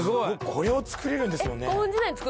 これを造れるんですもんね。